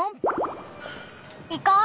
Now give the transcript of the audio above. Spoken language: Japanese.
いこう！